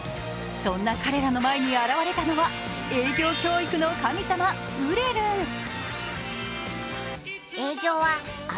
そんな彼らの前に現れたのは営業教育の神様、ウレルン。